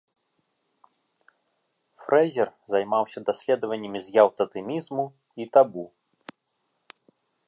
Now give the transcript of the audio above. Фрэзер займаўся даследаваннямі з'яў татэмізму і табу.